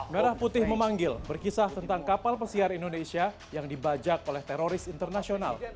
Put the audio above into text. merah putih memanggil berkisah tentang kapal pesiar indonesia yang dibajak oleh teroris internasional